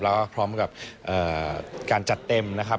แล้วก็พร้อมกับการจัดเต็มนะครับ